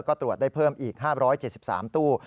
ก็ตรวจได้เพิ่มอีก๕๗๓ตู้